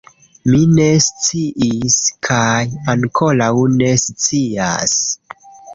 Mi ne sciis kaj ankoraŭ ne scias.